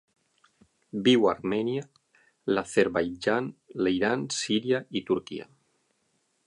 Viu a Armènia, l'Azerbaidjan, l'Iran, Síria i Turquia.